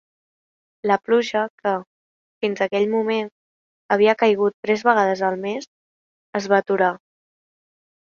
La pluja que, fins aquell moment, havia caigut tres vegades al mes, es va aturar.